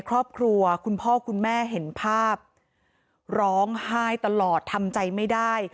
ครอบครัวคุณพ่อคุณแม่เห็นภาพร้องไห้ตลอดทำใจไม่ได้